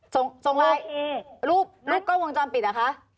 ส่งส่งไลน์โอเครูปรูปก้อยวงจอมปิดอ่ะคะ